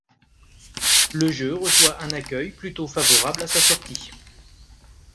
Le jeu reçoit un accueil plutôt favorable à sa sortie.